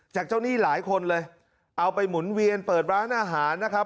เจ้าหนี้หลายคนเลยเอาไปหมุนเวียนเปิดร้านอาหารนะครับ